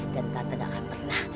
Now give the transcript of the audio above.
dan tante gak akan pernah